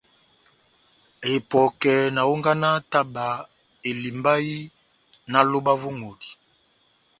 Epɔkɛ na hónganaha taba elimbahi náh lóba vó ŋʼhodi.